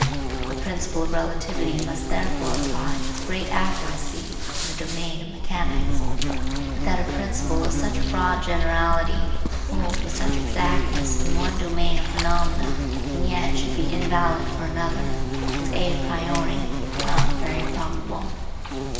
The principle of relativity must therefore apply with great accuracy in the domain of mechanics. But that a principle of such broad generality should hold with such exactness in one domain of phenomena, and yet should be invalid for another, is a priori not very probable.